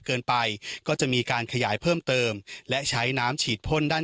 เกินไปก็จะมีการขยายเพิ่มเติมและใช้น้ำฉีดพ่นด้าน